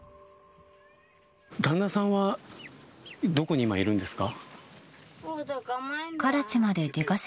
旦那さんは今どこにいるんですか。